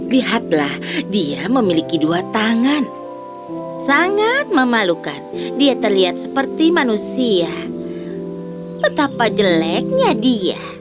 lihatlah dia memiliki dua tangan sangat memalukan dia terlihat seperti manusia betapa jeleknya dia